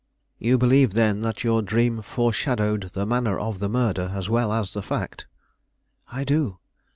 "You believe, then, that your dream foreshadowed the manner of the murder as well as the fact?" "I do."